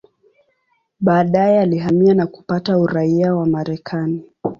Baadaye alihamia na kupata uraia wa Marekani.